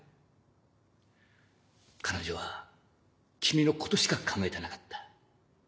彼女は君のことしか考えてなかった。